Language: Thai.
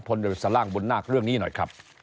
โดยสล่างบุญนาคเรื่องนี้หน่อยครับ